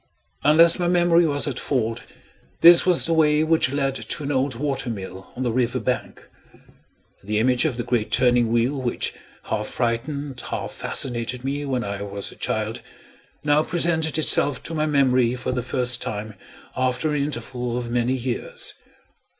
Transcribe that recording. Unless my memory was at fault, this was the way which led to an old water mill on the river bank. The image of the great turning wheel, which half frightened half fascinated me when I was a child, now presented itself to my memory for the first time after an interval of many years.